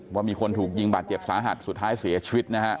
ว่ามีคนถูกยิงบาดเจ็บสาหัสสุดท้ายเสียชีวิตนะฮะ